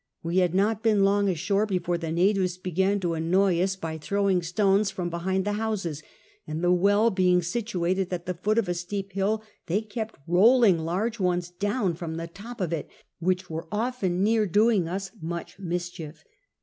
We had not been long ashore before the natives began lo annoy us by throwing stones from behind tile houses ; and the well being situated at the foot of a steep hill they kept rolling large ones down from the top of it, which were often near doing us much mischief.